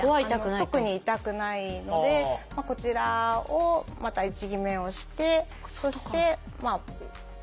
特に痛くないのでこちらをまた位置決めをしてそしてまあ